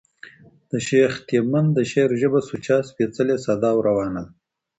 د شېخ تیمن د شعر ژبه سوچه، سپېڅلې، ساده او روانه ده.